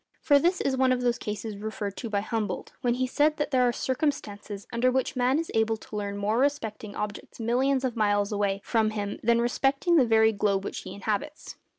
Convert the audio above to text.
For this is one of those cases referred to by Humboldt, when he said that there are circumstances under which man is able to learn more respecting objects millions of miles away from him than respecting the very globe which he inhabits.